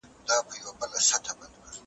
قامي وحدت ته اړتيا ده.